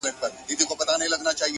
دي مړ سي- زموږ پر زړونو مالگې سيندي--